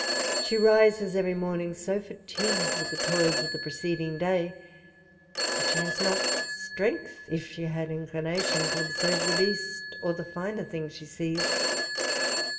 She rises every morning so fatigued with the toils of the preceding day, that she has not strength, if she had inclination, to observe the least, or the finer thing she sees